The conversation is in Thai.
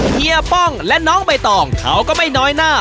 เฮียป้องและน้องใบตองเขาก็ไม่น้อยหน้า